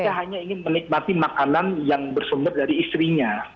saya hanya ingin menikmati makanan yang bersumber dari istrinya